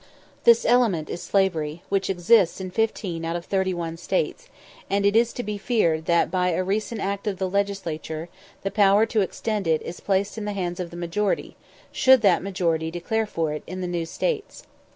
This element is slavery, which exists in fifteen out of thirty one states, and it is to be feared that by a recent act of the legislature the power to extend it is placed in the hands of the majority, should that majority declare for it, in the new States.